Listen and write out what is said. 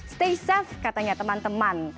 stay safe katanya teman teman